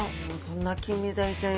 このキンメダイちゃん。